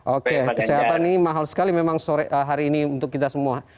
oke kesehatan ini mahal sekali memang sore hari ini untuk kita semua